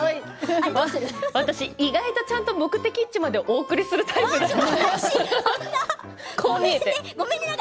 私意外とちゃんと目的地までお送りするタイプだからねごめん。